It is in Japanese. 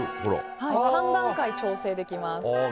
３段階調整できます。